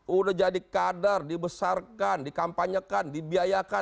udah jadi kader dibesarkan dikampanyekan dibiayakan